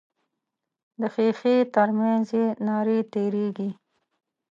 د ښیښې تر منځ یې نارې تیریږي.